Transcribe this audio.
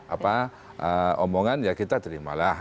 apa omongan ya kita terimalah